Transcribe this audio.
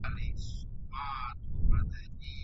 د رنګ او ښایست سیمه ده.